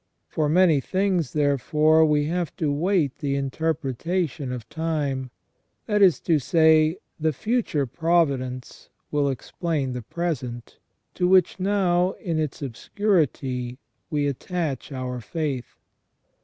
For many things, therefore, we have to wait the interpretation of time — that is to say, the future providence will explain the present, to which now in its obscurity we attach our faith.